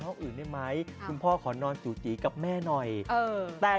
วันศุกร์กับวันสาววันอาทิตย์